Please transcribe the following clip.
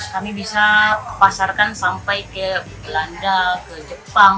kami bisa pasarkan sampai ke belanda ke jepang